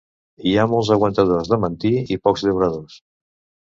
Hi ha molts aguantadors de mantí i pocs llauradors.